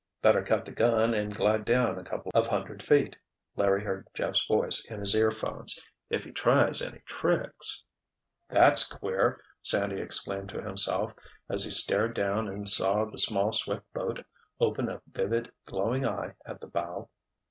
"Better cut the gun and glide down a couple of hundred feet," Larry heard Jeff's voice in his earphones. "If he tries any tricks——" "That's queer!" Sandy exclaimed to himself, as he stared down and saw the small, swift boat open a vivid, glowing eye at the bow.